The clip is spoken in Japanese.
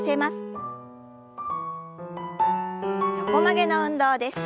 横曲げの運動です。